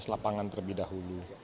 objektivitas lapangan terlebih dahulu